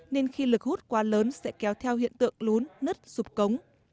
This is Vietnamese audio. nên khi lực hút quá lớn sẽ kéo theo hiện tượng lún nứt sụp cống